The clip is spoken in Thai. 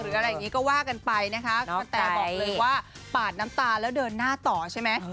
อะไรอย่างนี้ก็ว่ากันไปนะคะกระแตบอกเลยว่าปาดน้ำตาแล้วเดินหน้าต่อใช่ไหม